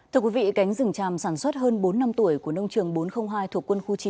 thưa quý vị cánh rừng tràm sản xuất hơn bốn năm tuổi của nông trường bốn trăm linh hai thuộc quân khu chín